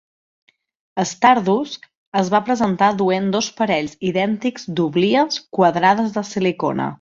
"Stardust" es va presentar duent dos parells idèntics d'oblies quadrades de silicona.